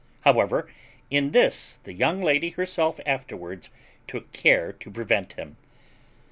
However, in this the young lady herself afterwards took care to prevent him.